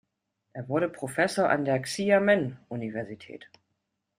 Er wurde Professor an der Xiamen-Universität.